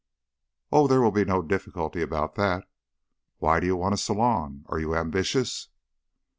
"Oh, there will be no difficulty about that. Why do you want a salon? Are you ambitious?"